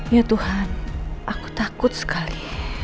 ya tuhan aku takut sekali